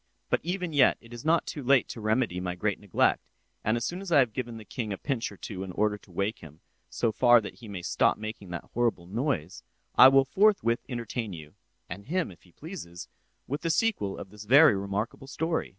But even yet it is not too late to remedy my great neglect—and as soon as I have given the king a pinch or two in order to wake him up so far that he may stop making that horrible noise, I will forthwith entertain you (and him if he pleases) with the sequel of this very remarkable story."